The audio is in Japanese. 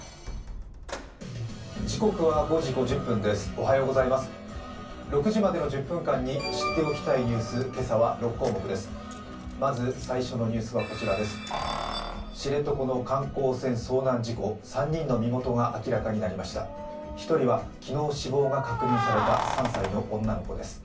おはようございます６時までの１０分間に知っておきたいニュース、今朝は６項目です。